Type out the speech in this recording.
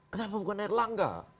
kenapa bukan erlangga